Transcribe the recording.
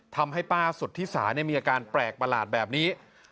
ทำให้ป้าสุธิสามีอาการแปลกประหลาดแบบนี้